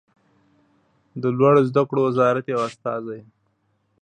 د لوړو زده کړو وزارت یو استازی